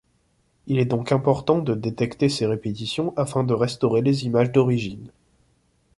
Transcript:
Il est donc important de détecter ces répétitions afin de restaurer les images d'origines.